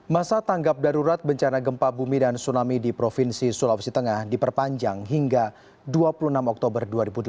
masa tanggap darurat bencana gempa bumi dan tsunami di provinsi sulawesi tengah diperpanjang hingga dua puluh enam oktober dua ribu delapan belas